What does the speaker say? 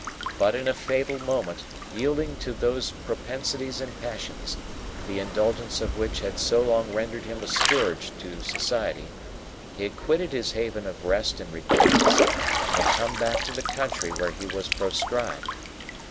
But in a fatal moment, yielding to those propensities and passions, the indulgence of which had so long rendered him a scourge to society, he had quitted his haven of rest and repentance, and had come back to the country where he was proscribed.